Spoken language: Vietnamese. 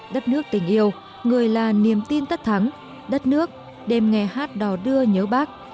đất nước tình yêu người là niềm tin tất thắng đất nước đêm nghe hát đò đưa nhớ bác